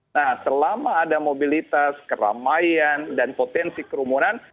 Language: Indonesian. nah selama ada mobilitas keramaian dan potensi kerumunan